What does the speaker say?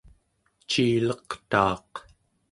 ciileqtaaq